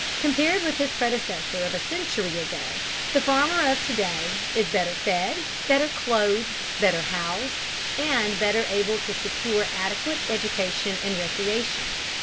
Compared with his predecessor of a century ago, the farmer of to day is better fed, better clothed and housed, and better able to secure adequate education and recreation.